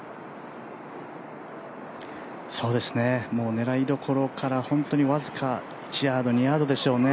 狙いどころから本当に僅か１ヤード、２ヤードでしょうね。